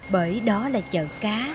bởi đó là chợ cá